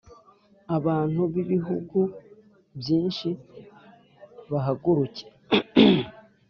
Abantu b’ibihugu byinshi bahaguruke,